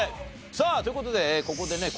さあという事でここでね